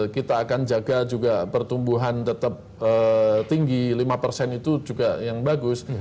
kita akan jaga juga pertumbuhan tetap tinggi lima persen itu juga yang bagus